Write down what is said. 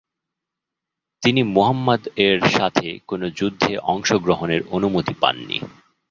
তিনি মুহাম্মদ এর সাথে কোনো যুদ্ধে অংশগ্রহণের অনুমতি পাননি।